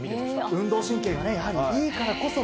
運動神経がいいからこその。